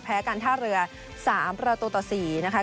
การท่าเรือ๓ประตูต่อ๔นะคะ